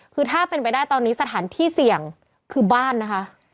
คือถ้าเป็นไปได้ตอนนี้สถานที่เสี่ยงคือบ้านนะคะ